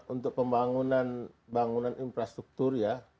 untuk pembangunan infrastruktur